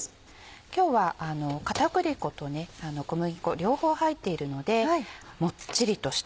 今日は片栗粉と小麦粉両方入っているのでもっちりとした。